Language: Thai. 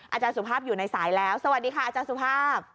อาจารย์สุภาพอยู่ในสายแล้วสวัสดีค่ะอาจารย์สุภาพ